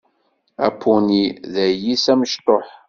Apuni d ayis amecṭuḥ.